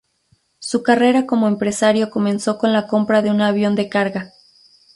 Su carrera como empresario comenzó con la compra de un avión de carga.